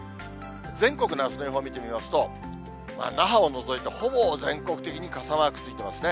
全国のあすの予報を見てみますと、那覇を除いてほぼ全国的に傘マークついてますね。